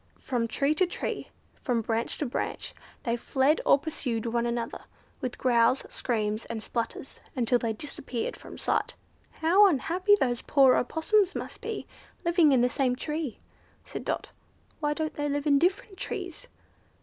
From tree to tree, from branch to branch, they fled or pursued one another, with growls, screams, and splutters, until they disappeared from sight. "How unhappy those poor Opossums must be, living in the same tree," said Dot; "why don't they live in different trees?"